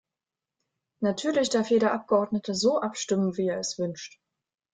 Natürlich darf jeder Abgeordnete so abstimmen, wie er es wünscht.